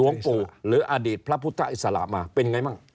หลวงปู่หรืออดีตพระพุทธอิสระมาเป็นอย่างไรบ้าง